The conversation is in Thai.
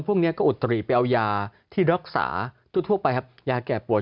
พวกนี้ก็อุตรีไปเอายาที่รักษาทั่วไปครับยาแก่ปวด